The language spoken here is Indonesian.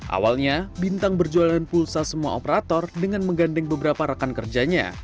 awalnya bintang berjualan pulsa semua operator dengan menggandeng beberapa rekan kerjanya